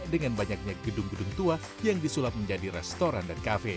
dengan banyaknya gedung gedung tua yang disulap menjadi restoran dan kafe